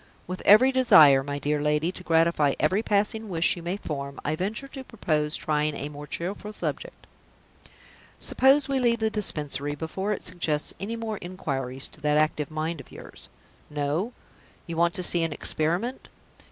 "With every desire, my dear lady, to gratify every passing wish you may form, I venture to propose trying a more cheerful subject. Suppose we leave the Dispensary, before it suggests any more inquiries to that active mind of yours? No? You want to see an experiment?